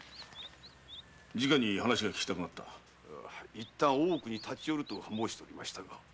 いったん大奥に立ち寄ると申しておりましたが。